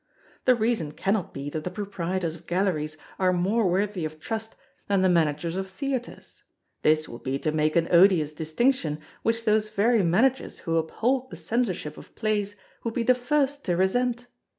The reason cannot be that the proprietors of Galleries are more worthy of trust than the managers of Theatres; this would be to make an odious distinction which those very Managers who uphold the Censorship of Plays would be the first to resent.